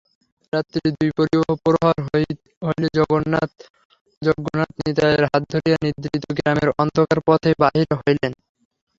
রাত্রি দুই প্রহর হইলে যজ্ঞনাথ নিতাইয়ের হাত ধরিয়া নিদ্রিত গ্রামের অন্ধকার পথে বাহির হইলেন।